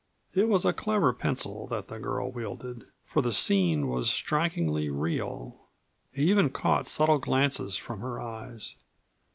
It was a clever pencil that the girl wielded, for the scene was strikingly real. He even caught subtle glances from her eyes.